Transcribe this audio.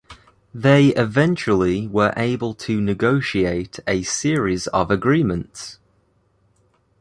They eventually were able to negotiate a series of agreements.